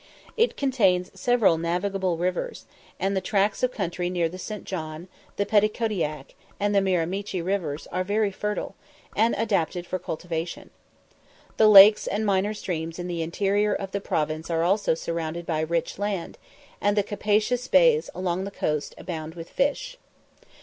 It contains several navigable rivers, and the tracts of country near the St. John, the Petticodiac, and the Miramichi rivers are very fertile, and adapted for cultivation. The lakes and minor streams in the interior of the province are also surrounded by rich land, and the capacious bays along the coast abound with fish.